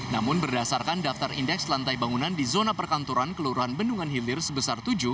namun berdasarkan daftar indeks lantai bangunan di zona perkantoran kelurahan bendungan hilir sebesar tujuh